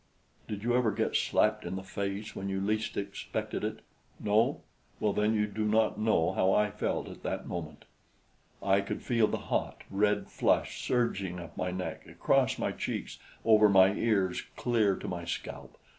Did you ever get slapped in the face when you least expected it? No? Well, then you do not know how I felt at that moment. I could feel the hot, red flush surging up my neck, across my cheeks, over my ears, clear to my scalp.